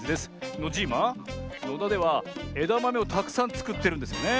ノジーマのだではえだまめをたくさんつくってるんですよね？